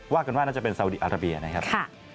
กันว่าน่าจะเป็นสาวดีอาราเบียนะครับ